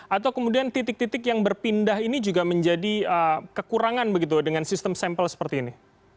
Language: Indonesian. atau kemudian titik titik yang berpindah ini juga menjadi kekurangan begitu dengan sistem sampel seperti ini